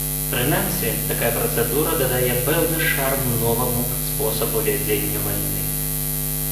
Прынамсі, такая працэдура дадае пэўны шарм новаму спосабу вядзення вайны.